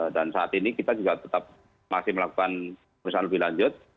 dan saat ini kita juga tetap masih melakukan perusahaan lebih lanjut